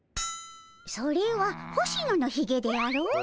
それは星野のひげであろ？